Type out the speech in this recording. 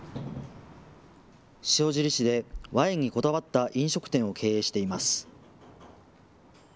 塩尻市でワインにこだわった飲食店を経営しています。